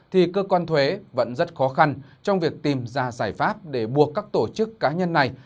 thì cơ quan thuế vẫn rất khó khăn trong việc tìm ra giải pháp để buộc các tổ chức cá nhân này